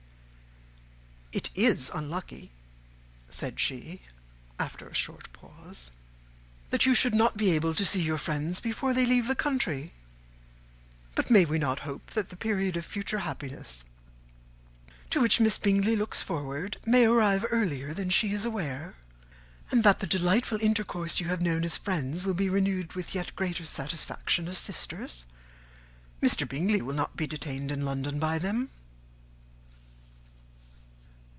"It is unlucky," said she, after a short pause, "that you should not be able to see your friends before they leave the country. But may we not hope that the period of future happiness, to which Miss Bingley looks forward, may arrive earlier than she is aware, and that the delightful intercourse you have known as friends will be renewed with yet greater satisfaction as sisters? Mr. Bingley will not be detained in London by them."